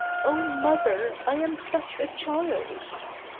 ' Oh, mother, I am such a child